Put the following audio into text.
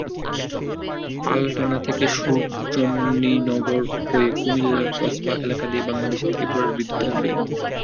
পালাটানা থেকে সূর্যমনিনগর হয়ে কুমিল্লার কসবা এলাকা দিয়ে বাংলাদেশে ত্রিপুরার বিদ্যুৎ আসবে।